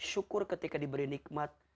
syukur ketika diberi nikmat